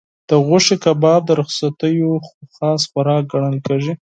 د غوښې کباب د رخصتیو خاص خوراک ګڼل کېږي.